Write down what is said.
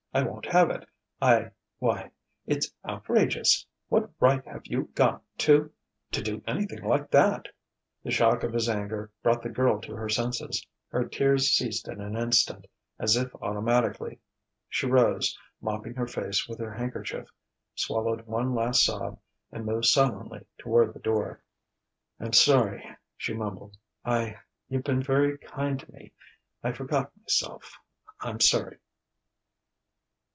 I won't have it. I why it's outrageous! What right have you got to to do anything like that?" The shock of his anger brought the girl to her senses. Her tears ceased in an instant, as if automatically. She rose, mopping her face with her handkerchief, swallowed one last sob, and moved sullenly toward the door. "I'm sorry," she mumbled. "I you've been very kind to me I forgot myself. I'm sorry."